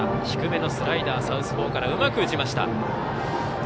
低めのスライダーサウスポーからうまく打ちました。